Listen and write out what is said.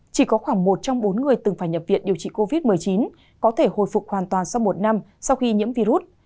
chỉ có khoảng một trong bốn người từng phải nhập viện điều trị covid một mươi chín có thể hồi phục hoàn toàn sau một năm sau khi nhiễm virus